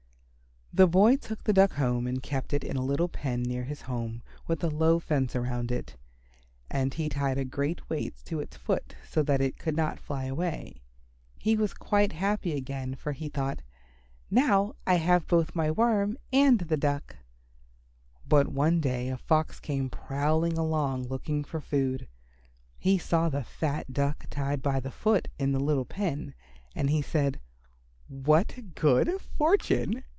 The boy took the Duck home and kept it in a little pen near his home with a low fence around it. And he tied a great weight to its foot so that it could not fly away. He was quite happy again, for he thought, "Now I have both my Worm and the Duck." But one day a Fox came prowling along looking for food. He saw the fat Duck tied by the foot in the little pen. And he said, "What good fortune!